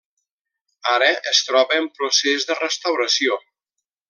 Ara es troba en procés de restauració.